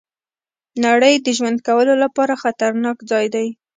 نړۍ د ژوند کولو لپاره خطرناک ځای دی.